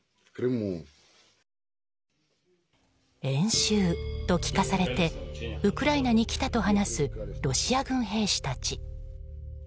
演習と聞かされてウクライナに来たと話すロシア軍兵士たち。